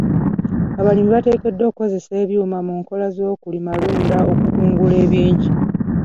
Abalimi bateekeddwa okukozesa ebyuma mu nkola z'okulimalunda okukungula ebingi.